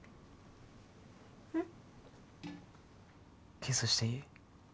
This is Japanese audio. キスしていい？